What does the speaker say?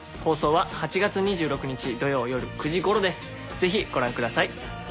ぜひご覧ください。